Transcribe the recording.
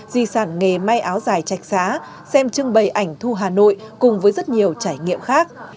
di sản nghề may áo dài chạch xá xem trưng bày ảnh thu hà nội cùng với rất nhiều trải nghiệm khác